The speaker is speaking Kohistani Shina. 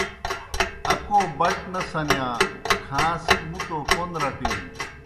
اکو بٹ نہ سنیا کھاں سہ مُتو پوْن رٹِینوْ